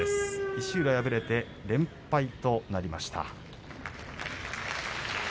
石浦、敗れて連敗となりました。